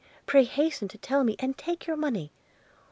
pray hasten to tell me, and take your money.'